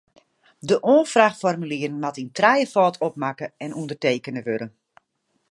De oanfraachformulieren moatte yn trijefâld opmakke en ûndertekene wurde.